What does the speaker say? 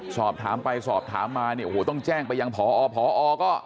สอบถามไปสอบถามมาเนี่ยโอ้โหต้องแจ้งไปยังพอพอก็